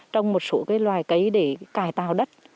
trong một số loài cây để cài tạo đất